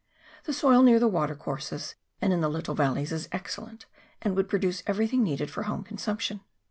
The soil near the watercourses, and in the little valleys, is excellent, and would produce everything needed for home consumption.